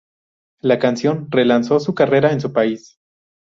La canción relanzó su carrera en su país.